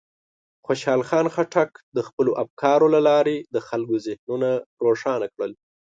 خوشحال خان خټک د خپلو افکارو له لارې د خلکو ذهنونه روښانه کړل.